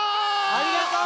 ありがとう！